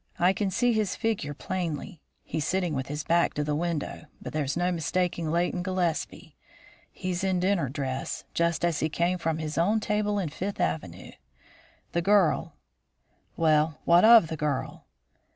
I can see his figure plainly. He's sitting with his back to the window, but there's no mistaking Leighton Gillespie. He's in dinner dress, just as he came from his own table in Fifth Avenue. The girl " "Well, what of the girl?"